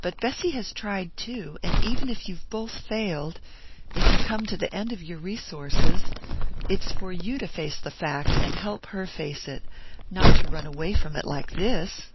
but Bessy has tried too; and even if you've both failed if you've come to the end of your resources it's for you to face the fact, and help her face it not to run away from it like this!"